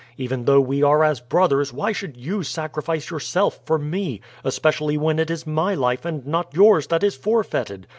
Even though we are as brothers, why should you sacrifice yourself for me, especially when it is my life and not yours that is forfeited?